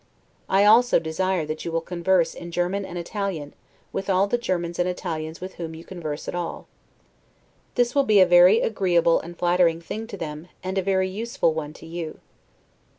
I also desire that you will converse in German and Italian, with all the Germans and the Italians with whom you converse at all. This will be a very agreeable and flattering thing to them, and a very useful one to you.